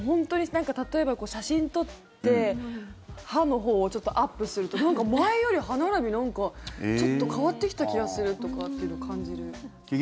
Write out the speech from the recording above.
例えば写真撮って歯のほうをちょっとアップするとなんか前より歯並びちょっと変わってきた気がするとかっていうのを感じる。